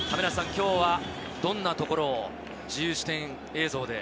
今日はどんなところを自由視点映像で？